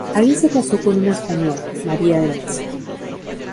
Allí se casó con una española, María de Mesa.